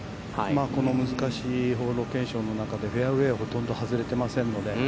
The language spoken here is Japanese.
この難しいホールロケーションの中でフェアウェイをほとんど外れてませんので。